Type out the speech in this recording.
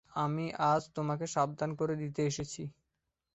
আমি আজ তোমাকে সাবধান করে দিতে এসেছি।